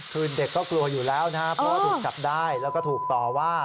คือเด็กก็กลัวอยู่แล้วนะครับเพราะว่าถูกจับได้แล้วก็ถูกต่อว่า